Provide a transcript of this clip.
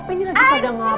ini lagi pada ngapain